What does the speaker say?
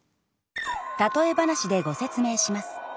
例え話でご説明します。